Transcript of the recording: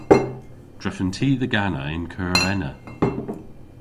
Drefen ty dhe gana y'n keur ena.